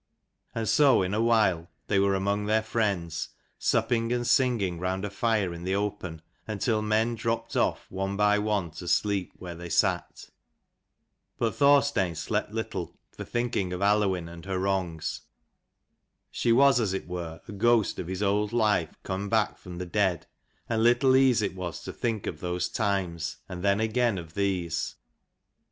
And so in a while they were among their friends, supping and singing round a fire in the open, until men dropped off one by one to sleep where they sat. But Thorstein slept little for thinking of Aluinn and her wrongs. She was as it were a ghost of his old life come back from the dead, and little ease it was to think of those times, and then again of these.